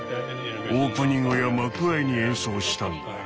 オープニングや幕あいに演奏したんだ。